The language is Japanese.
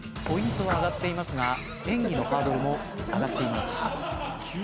ポイントは上がっていますが演技のハードルも上がっています。